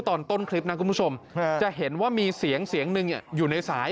ตอนต้นคลิปนะคุณผู้ชมจะเห็นว่ามีเสียงเสียงหนึ่งอยู่ในสาย